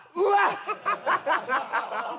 ハハハハ！